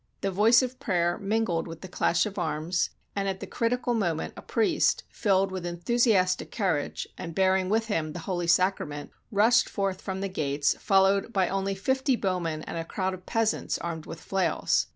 The voice of prayer mingled with the clash of arms, and at the critical moment a priest, filled with enthusiastic courage, and bearing with him the holy sacrament, rushed forth from the gates, followed by only fifty bow men and a crowd of peasants armed with flails.